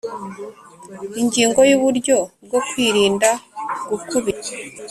Ingingo ya Uburyo bwo kwirinda gukubitwa